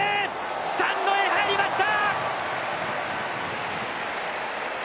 スタンドへ入りました！